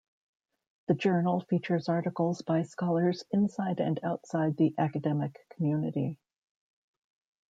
The journal features articles by scholars inside and outside the academic community.